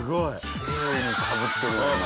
きれいにかぶってるもんな。